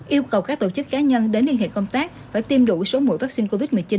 yêu cầu các tổ chức cá nhân đến liên hệ công tác phải tiêm đủ số mũi vaccine covid một mươi chín